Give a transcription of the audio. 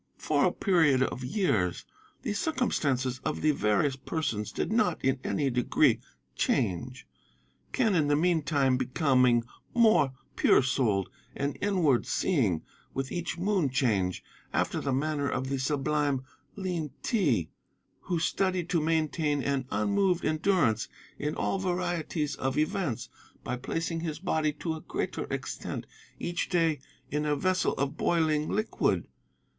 "For a period of years the circumstances of the various persons did not in any degree change, Quen in the meantime becoming more pure souled and inward seeing with each moon change, after the manner of the sublime Lien ti, who studied to maintain an unmoved endurance in all varieties of events by placing his body to a greater extent each day in a vessel of boiling liquid.